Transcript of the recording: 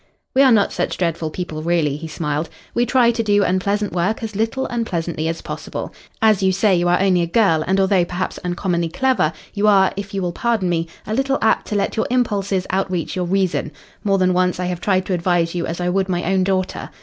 "We are not such dreadful people really," he smiled. "We try to do unpleasant work as little unpleasantly as possible. As you say, you are only a girl, and although perhaps uncommonly clever, you are if you will pardon me a little apt to let your impulses outreach your reason. More than once I have tried to advise you as I would my own daughter.